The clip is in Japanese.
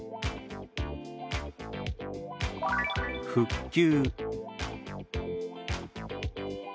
「復旧」。